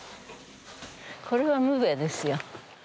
これはむべですよ。